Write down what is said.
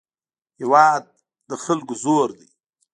هېواد د خلکو زور دی.